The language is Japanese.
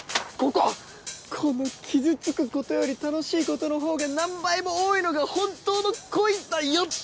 この「傷つくことより楽しいことのほうが何倍も多いのが本当の恋だよ！」って